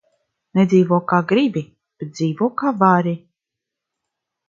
Nedzīvo, kā gribi, bet dzīvo, kā vari.